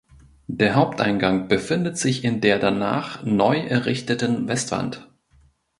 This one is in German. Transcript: Der Haupteingang befindet sich in der danach neu errichteten Westwand.